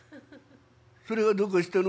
それがどうかしたの？」。